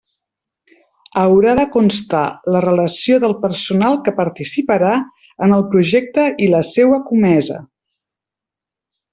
Haurà de constar la relació del personal que participarà en el projecte i la seua comesa.